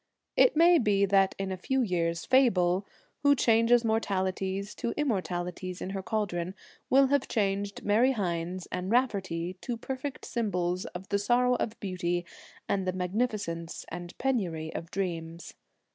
It may be that in a few years Fable, who changes mortalities to immortalities in her cauldron, will have changed Mary Hynes and Raftery to perfect symbols of the sorrow of beauty and of the magnificence and penury of dreams.